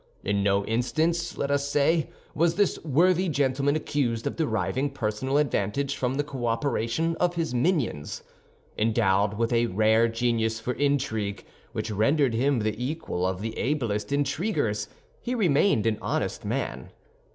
In no instance, let us say, was this worthy gentleman accused of deriving personal advantage from the cooperation of his minions. Endowed with a rare genius for intrigue which rendered him the equal of the ablest intriguers, he remained an honest man.